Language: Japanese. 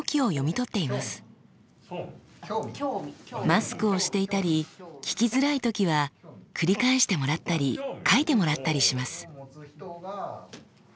マスクをしていたり聞きづらい時は繰り返してもらったり書いてもらったりします。